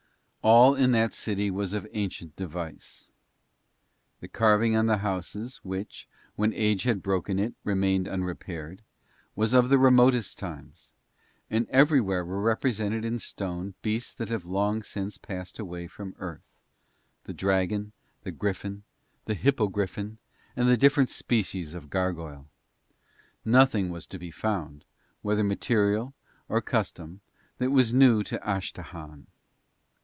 All in that city was of ancient device; the carving on the houses, which, when age had broken it remained unrepaired, was of the remotest times, and everywhere were represented in stone beasts that have long since passed away from Earth the dragon, the griffin, and the hippogriffin, and the different species of gargoyle. Nothing was to be found, whether material or custom, that was new in Astahahn.